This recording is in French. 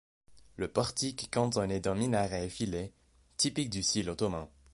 Le portique est cantonné d'un minaret effilé, typique du style ottoman.